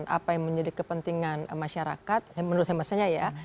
apa yang menjadi kepentingan masyarakat menurut saya maksudnya ya